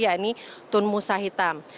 yaitu tun musa hitam